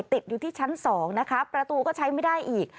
ติดอยู่ที่ชั้น๒นะคะประตูก็ใช้ไม่ได้อีก